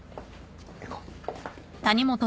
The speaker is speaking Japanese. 行こう。